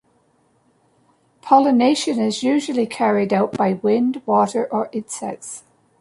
Pollination is usually carried out by wind, water or insects.